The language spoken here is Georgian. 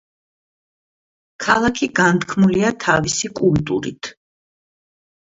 ქალაქი განთქმულია თავისი კულტურით.